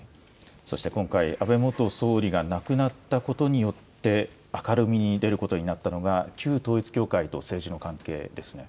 そして今回、安倍元総理が亡くなったことによって、明るみに出ることになったのが、旧統一教会と政治の関係ですね。